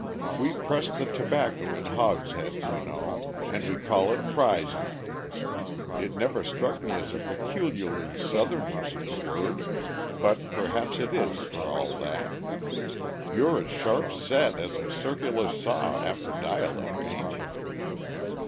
We press the tobacco in hogsheads, you know, and we call it prizing. It never struck me as a peculiarly Southern use of the word, but perhaps it is for all that. You're as sharp set as a circular saw after dialect, a'n't you?"